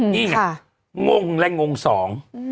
นี่ไงงงและงงสอง